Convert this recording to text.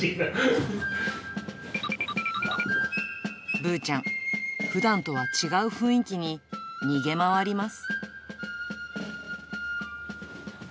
ぶーちゃん、ふだんとは違う雰囲気に、逃げ回ります。